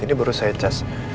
ini baru saya cas